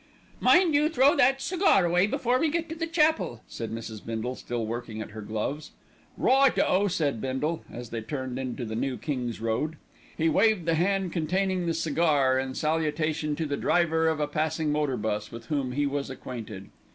"Mind you throw that cigar away before we get to the chapel," said Mrs. Bindle, still working at her gloves. "Right o!" said Bindle, as they turned into the New King's Road. He waved the hand containing the cigar in salutation to the driver of a passing motor bus with whom he was acquainted.